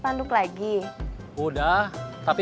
jadi kita gak usah repot